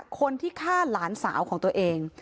คนที่ฆ่าหลานสาวของตัวเอง